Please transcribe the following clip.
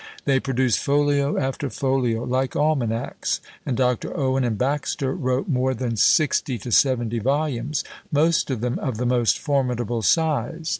They produced folio after folio, like almanacs; and Dr. Owen and Baxter wrote more than sixty to seventy volumes, most of them of the most formidable size.